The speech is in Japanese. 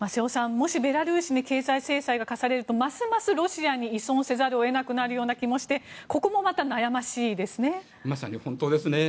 もしベラルーシに経済制裁が科されるとますますロシアに依存せざるを得ない気もしてここもまたまさに本当ですね。